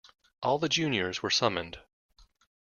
All the juniors were summoned.